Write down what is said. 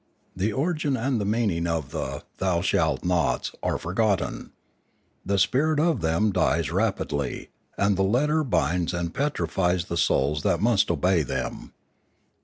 The origin and meaning of the "Thou shalt nots" are forgotten; the spirit of them dies rap idly, and the letter binds and petrifies the souls that must obey them.